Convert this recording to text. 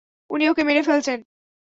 উনি ওকে মেরে ফেলছেন!